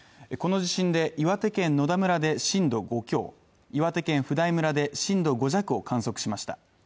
この地震で岩手県野田村で震度５強岩手県普代村で震度５弱を観測しました。